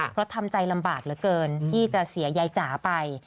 เพราะทำใจลำบากเหลือเกินที่จะเสียยายจ๋าไป